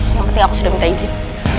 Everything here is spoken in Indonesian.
yang penting aku sudah minta izin